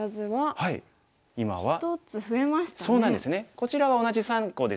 こちらは同じ３個です。